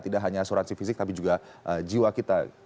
tidak hanya asuransi fisik tapi juga jiwa kita